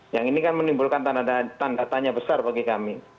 yang ini kan menimbulkan tanda tanya besar bagi kami